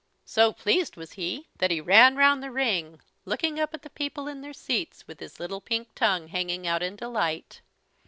So pleased was he that he ran round the ring, looking up at the people in their seats, with his little pink tongue hanging out in delight.